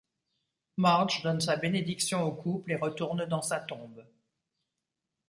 Marge donne sa bénédiction au couple et retourne dans sa tombe.